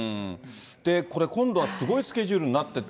これ、今度はすごいスケジュールになってて。